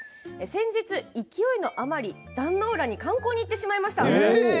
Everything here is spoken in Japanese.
先日、勢いのあまり壇之浦に観光に行ってしまいました。